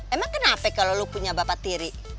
emang kenapa kalau lo punya bapak tiri